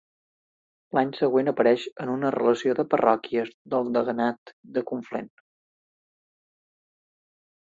L'any següent apareix en una relació de parròquies del deganat de Conflent.